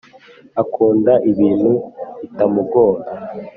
akunda ibintu bitamugora